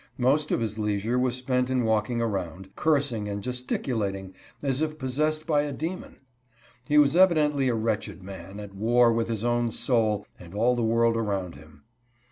Most of his leisure was spent in walking around, cursing and gesticulating as if possessed by a demon. He was evidently a wretched man, at war with his own soul and all the world around him.